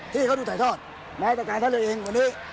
ที่เขาดูถ่ายทอดแม้แต่การเท่านั้นเองวันนี้